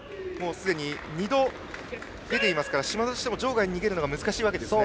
すでに２度場外に出ていますから嶋田としても場外に逃げるのが難しいわけですね。